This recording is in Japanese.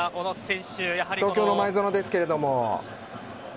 東京の前園ですけれども。